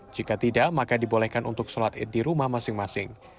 jika tidak maka dibolehkan untuk sholat id di rumah masing masing